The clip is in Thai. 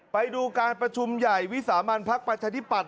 ไปดูการประชุมใหญ่วิสามันพักประชาธิปัต